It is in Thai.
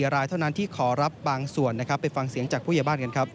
รายเท่านั้นที่ขอรับบางส่วนนะครับไปฟังเสียงจากผู้ใหญ่บ้านกันครับ